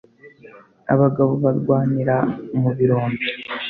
abagabo barwanira mu birombe